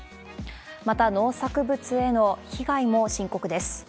また、農作物への被害も深刻です。